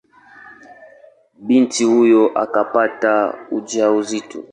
Binti huyo akapata ujauzito.